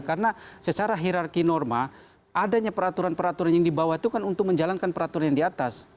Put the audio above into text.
karena secara hirarki norma adanya peraturan peraturan yang di bawah itu kan untuk menjalankan peraturan yang di atas